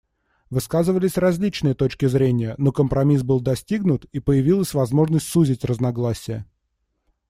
Высказывались различные точки зрения, но компромисс был достигнут, и появилась возможность сузить разногласия.